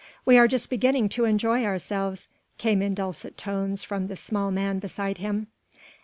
"We are just beginning to enjoy ourselves," came in dulcet tones from the small man beside him.